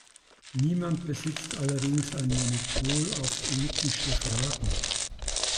Niemand besitzt allerdings ein Monopol auf ethische Fragen.